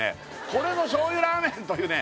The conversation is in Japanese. これぞ醤油ラーメンというね